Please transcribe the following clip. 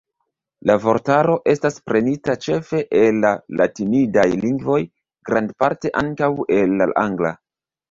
La vortaro estas prenita ĉefe el la latinidaj lingvoj, grandparte ankaŭ el la angla.